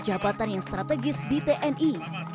jabatan yang strategis di tni